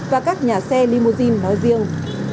và các nhà xe limousine nói riêng